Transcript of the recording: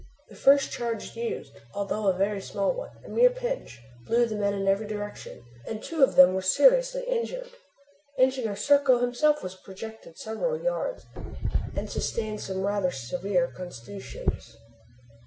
The first charge used, although a very small one, a mere pinch, blew the men in every direction, and two of them were seriously injured. Engineer Serko himself was projected several yards, and sustained some rather severe contusions.